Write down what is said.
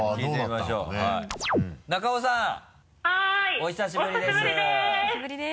お久しぶりです。